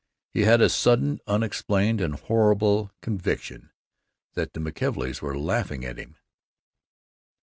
He had a sudden, unexplained, and horrible conviction that the McKelveys were laughing at him.